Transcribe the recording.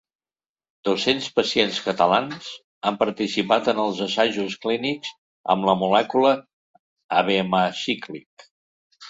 Dos-cents pacients catalans han participat en els assajos clínics amb la molècula abemaciclib.